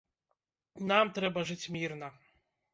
Нам трэба жыць мірна!